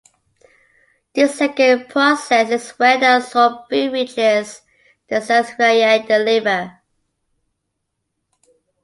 This second process is where the absorbed food reaches the cells via the liver.